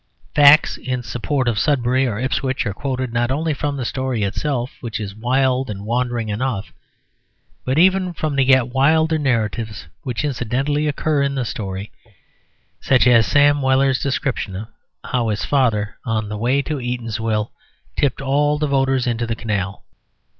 Facts in support of Sudbury or Ipswich are quoted not only from the story itself, which is wild and wandering enough, but even from the yet wilder narratives which incidentally occur in the story, such as Sam Weller's description of how his father, on the way to Eatanswill, tipped all the voters into the canal.